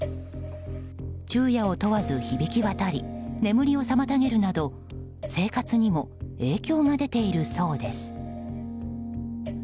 昼夜を問わず響き渡り眠りを妨げるなど生活にも影響が出ているそうです。